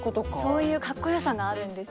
そういうカッコよさがあるんですよ。